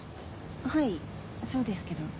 はいそうですけど。